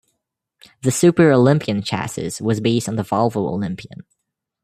The Super Olympian chassis was based on the Volvo Olympian.